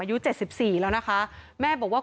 กังฟูเปล่าใหญ่มา